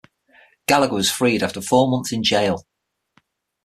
Gallagher was freed after four months in gaol.